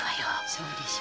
そうでしょ。